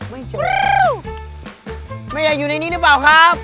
ไม่เจอแม่ยายอยู่ในนี้หรือเปล่าครับ